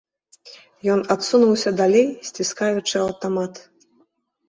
Ён адсунуўся далей, сціскаючы аўтамат.